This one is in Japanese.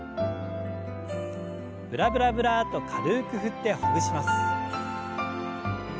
ブラブラブラッと軽く振ってほぐします。